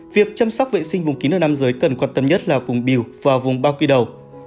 việc chăm sóc vệ sinh vùng kín ở nam giới cần quan tâm nhất là vùng biểu và vùng bao kỳ đầu